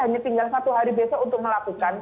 hanya tinggal satu hari besok untuk melakukan